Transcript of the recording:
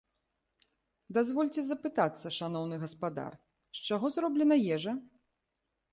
Дазвольце запытацца, шаноўны гаспадар, з чаго зроблена ежа?